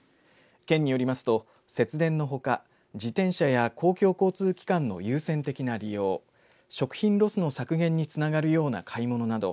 県によりますと節電のほか自転車や公共交通機関の優先的な利用食品ロスの削減につながるような買い物など